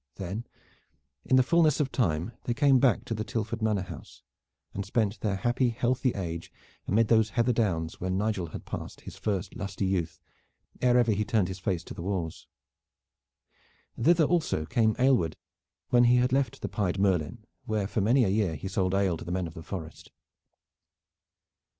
Then in the fullness of time they came back to the Tilford Manor house and spent their happy, healthy age amid those heather downs where Nigel had passed his first lusty youth, ere ever he turned his face to the wars. Thither also came Aylward when he had left the "Pied Merlin" where for many a year he sold ale to the men of the forest.